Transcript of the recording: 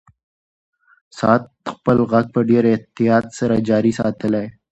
ساعت خپل غږ په ډېر احتیاط سره جاري ساتلی و.